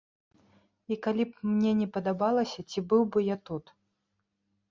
І калі б мне не падабалася, ці быў бы я тут?